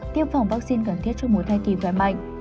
năm tiêm phòng vaccine cần thiết cho một thai kỳ khỏe mạnh